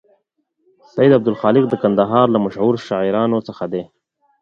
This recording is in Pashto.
سید عبدالخالق د کندهار له مشهور شاعرانو څخه دی.